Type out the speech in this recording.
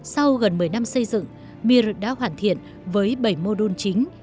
sau gần một mươi năm xây dựng mier đã hoàn thiện với bảy mô đun chính